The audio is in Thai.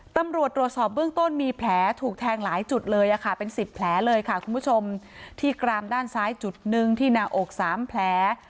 ตำรวจตรวจสอบเบื้องต้นมีแผลถูกแทงหลายจุดเลยค่ะเป็นสิบแผลเลยค่ะคุณผู้ชมที่กรามด้านซ้ายจุดหนึ่งที่หน้าอกสามแผล